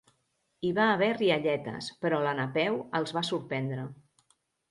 Hi va haver rialletes, però la Napeu els va sorprendre.